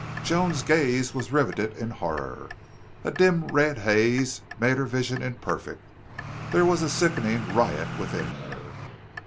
Joan's gaze was riveted in horror. A dim, red haze made her vision imperfect. There was a sickening riot within her.